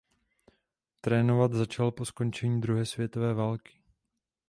Trénovat začal po skončení druhé světové války.